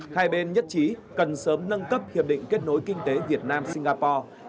hai bên nhất trí cần sớm nâng cấp hiệp định kết nối kinh tế việt nam singapore